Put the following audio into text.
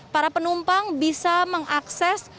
para penumpang bisa mengakses